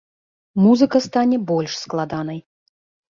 Музыка стане больш складанай.